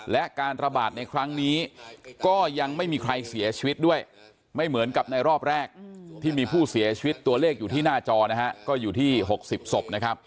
และการระบาดในครั้งนี้ก็ยังไม่มีใครเสียชีวิตด้วยไม่เหมือนกับในรอบแรกที่มีผู้เสียชีวิตตัวเลขอยู่ที่หน้าจอนะฮะก็อยู่ที่๖๐ศพนะครับ